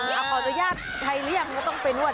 ขออนุญาตใครเลี่ยงก็ต้องไปนวด